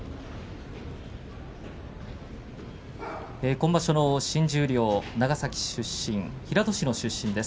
今場所の新十両長崎の平戸市の出身です。